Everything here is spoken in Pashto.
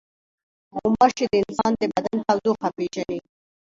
غوماشې د انسان د بدن تودوخه پېژني.